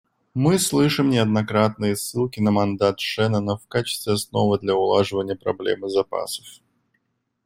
Мы слышим неоднократные ссылки на мандат Шеннона в качестве основы для улаживания проблемы запасов.